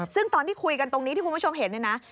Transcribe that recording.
ซึ่งตอนที่คุยกันตรงนี้ที่คุณผู้ชมเห็นเนี่ยนะ